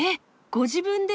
ご自分で！？